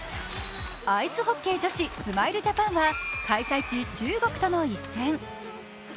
アイスホッケー女子、スマイルジャパンは開催地中国との一戦。